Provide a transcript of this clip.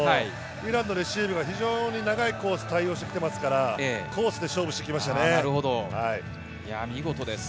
イランのレシーブが非常に長いコースを対応してきているのでコースで勝負してきましたよね。